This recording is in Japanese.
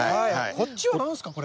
こっちは何すか？